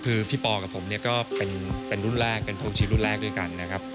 คือพี่ปอกับผมเนี่ยก็เป็นรุ่นแรกเป็นผมชีรุ่นแรกด้วยกันนะครับ